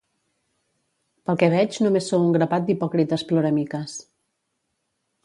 Pel que veig només sou un grapat d'hipòcrites ploramiques.